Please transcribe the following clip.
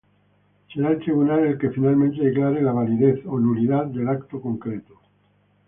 Será el tribunal el que finalmente declare la validez o nulidad del acto concreto.